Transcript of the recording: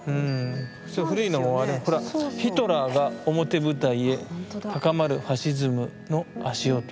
「ヒトラーが表舞台へ高まるファシズムの足音」。